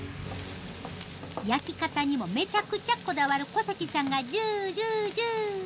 焼き方にもめちゃくちゃこだわる小関さんがジュージュージュー。